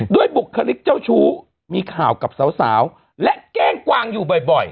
บุคลิกเจ้าชู้มีข่าวกับสาวและแกล้งกวางอยู่บ่อย